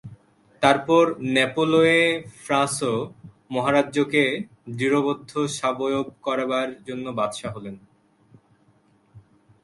তারপর ন্যাপোলেঅঁ ফ্রাঁস মহারাজ্যকে দৃঢ়বদ্ধ সাবয়ব করবার জন্য বাদশা হলেন।